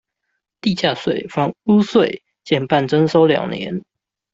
地價稅、房屋稅減半徵收兩年